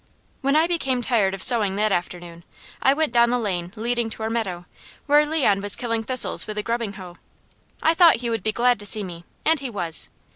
When I became tired sewing that afternoon, I went down the lane leading to our meadow, where Leon was killing thistles with a grubbing hoe. I thought he would be glad to see me, and he was.